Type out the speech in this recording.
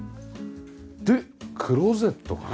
でクローゼットかな？